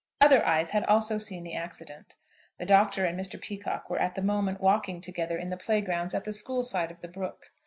Other eyes had also seen the accident. The Doctor and Mr. Peacocke were at the moment walking together in the playgrounds at the school side of the brook.